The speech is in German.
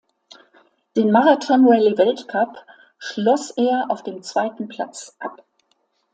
Den Marathonrallye-Weltcup schloss er auf dem zweiten Platz ab.